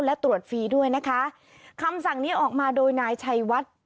และตรวจฟรีด้วยนะคะคำสั่งนี้ออกมาโดยนายชัยวัด